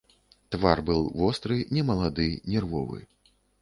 Твар быў востры, немалады, нервовы.